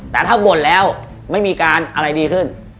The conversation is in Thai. แต่ถ้าบ่นแล้วไม่มีการอะไรดีขึ้น